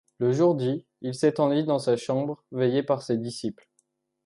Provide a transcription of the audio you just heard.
Le jour dit, il s’étendit dans sa chambre, veillé par ses disciples.